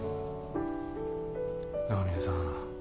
長嶺さん